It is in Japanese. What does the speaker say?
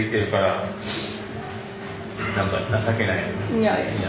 いやいや。